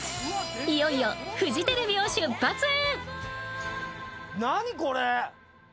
いよいよフジテレビを出発。